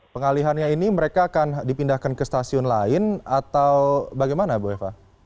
pengalihannya ini mereka akan dipindahkan ke stasiun lain atau bagaimana bu eva